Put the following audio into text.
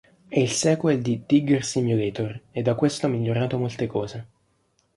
È il sequel di Digger-Simulator, e da questo ha migliorato molte cose.